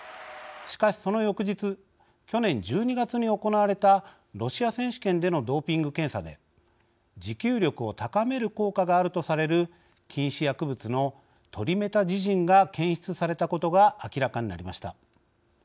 しかし、その翌日去年１２月に行われたロシア選手権でのドーピング検査で持久力を高める効果があるとされる禁止薬物のトリメタジジンが検出されたことが明らかになりました。